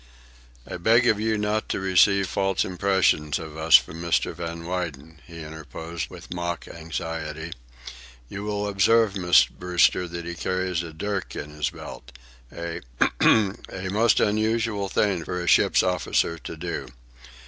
"I beg of you not to receive false impressions of us from Mr. Van Weyden," he interposed with mock anxiety. "You will observe, Miss Brewster, that he carries a dirk in his belt, a—ahem—a most unusual thing for a ship's officer to do.